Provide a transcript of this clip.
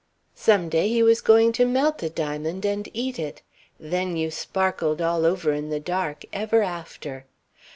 Some day he was going to melt a diamond and eat it. Then you sparkled all over in the dark, ever after.